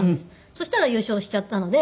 そしたら優勝しちゃったので。